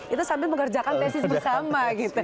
itu sambil mengerjakan tesis bersama gitu